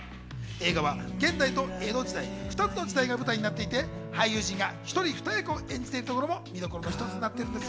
映画は現代と江戸時代、２つの時代が舞台になっていて俳優陣が１人２役を演じているところも見どころの一つです。